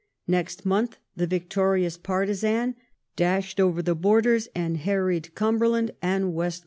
Next month the victorious partisan dashed over the borders and harried Cumljcrland and Westmorland.